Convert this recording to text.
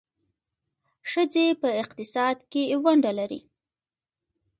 ښځې په اقتصاد کې ونډه لري.